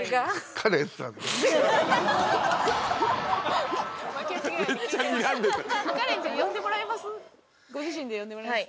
カレンちゃん読んでもらえます？